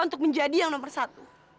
untuk menjadi yang nomor satu